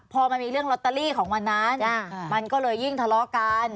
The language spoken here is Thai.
พอมันมีเรื่องลอตเตอรี่ของวันนั้นมันก็เลยยิ่งทะเลาะกัน